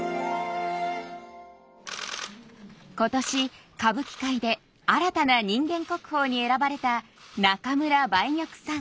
今年歌舞伎界で新たな人間国宝に選ばれた中村梅玉さん。